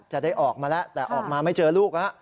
จะได้ออกมาแล้วแต่ออกมาไม่เจอลูกแล้ว